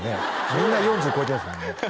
みんな４０超えてるんですもんね